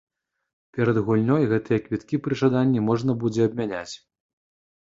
Перад гульнёй гэтыя квіткі пры жаданні можна будзе абмяняць.